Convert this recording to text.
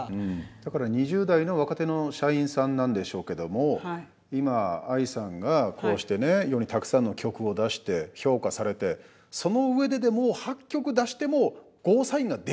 だから２０代の若手の社員さんなんでしょうけども今ＡＩさんがこうしてね世にたくさんの曲を出して評価されてその上ででも８曲出してもゴーサインが出ないっていう。